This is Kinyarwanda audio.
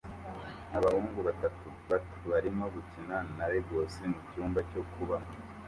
Abahungu batatu bato barimo gukina na Legos mucyumba cyo kubamo